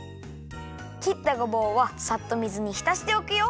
きったごぼうはさっと水にひたしておくよ。